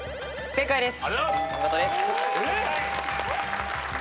正解です。